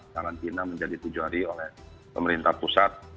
karantina menjadi tujuh hari oleh pemerintah pusat